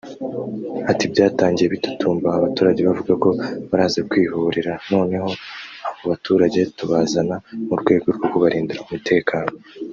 Ati "Byatangiye bitutumba abaturage bavuga ko baraza kwihorera noneho abo baturage tubazana mu rwego rwo kubarindira umutekano